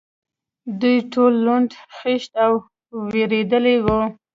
دوی ټول لوند، خېشت او وېرېدلي و.